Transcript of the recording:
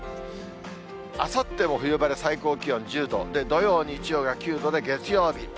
あさっても冬晴れ、最高気温１０度、土曜、日曜が９度で月曜日